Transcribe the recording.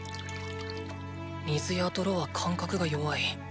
水や泥は感覚が弱い。